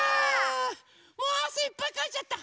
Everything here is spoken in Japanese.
もうあせいっぱいかいちゃった。